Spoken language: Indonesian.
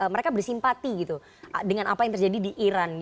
mereka bersimpati gitu dengan apa yang terjadi di iran